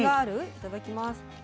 いただきます。